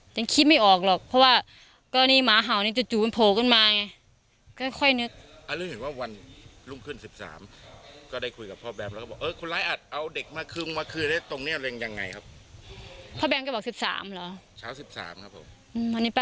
ที่บ้านงานชมพูนะ